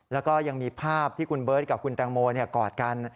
แล้วก็ยังมีภาพที่คุณเบิร์ตกับคุณแตงโมกอดกัน